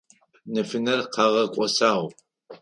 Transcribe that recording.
Нэфынэр къагъэкIосагъ.